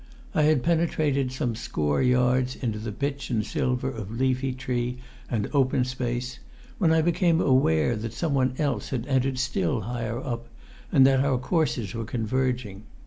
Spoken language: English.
I had penetrated some score yards into the pitch and silver of leafy tree and open space when I became aware that someone else had entered still higher up, and that our courses were converging.